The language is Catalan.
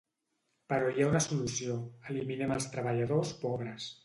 Però hi ha una solució: eliminem els treballadors pobres.